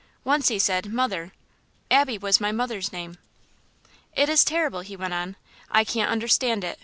Once he said 'mother.' Abby was my mother's name. "It is terrible," he went on. "I can't understand it.